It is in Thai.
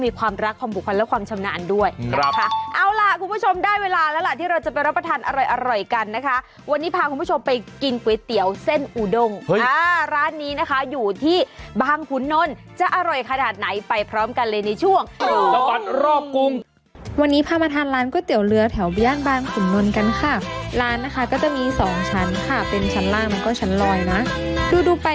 มันอร่อยนะเราเท่าอยู่ดูที่หน้าเขาเหนียวนุ่มมากรสชาติน้ำซูป